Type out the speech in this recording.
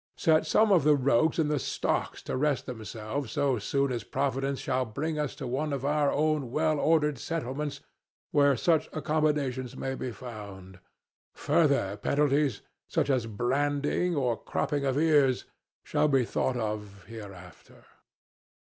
Set some of the rogues in the stocks to rest themselves so soon as Providence shall bring us to one of our own well ordered settlements where such accommodations may be found. Further penalties, such as branding and cropping of ears, shall be thought of hereafter."